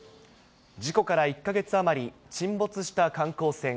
事故から１か月余り、沈没した観光船